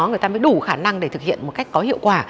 người ta mới đủ khả năng để thực hiện một cách có hiệu quả